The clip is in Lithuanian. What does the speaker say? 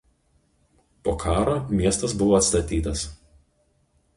Po karo miestas buvo atstatytas.